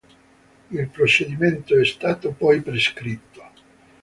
Il procedimento è stato poi prescritto.